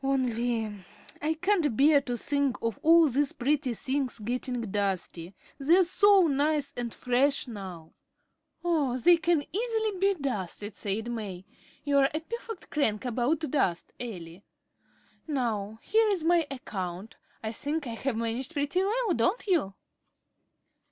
"Only I can't bear to think of all these pretty things getting dusty. They're so nice and fresh now." "Oh, they can easily be dusted," said May. "You are a perfect crank about dust, Elly. Now, here is my account. I think I have managed pretty well, don't you?"